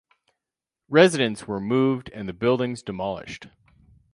Residents were moved and the buildings demolished.